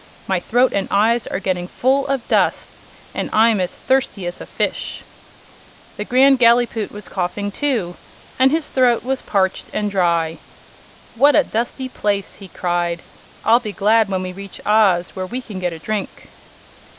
My throat and eyes are getting full of dust and I'm as thirsty as a fish!" The Grand Gallipoot was coughing too, and his throat was parched and dry. "What a dusty place!" he cried. "I'll be glad when we reach Oz, where we can get a drink."